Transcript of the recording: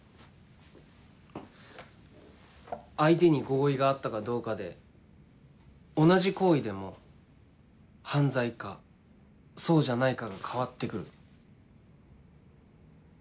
相手に合意があったかどうかで同じ行為でも犯罪かそうじゃないかが変わって来る。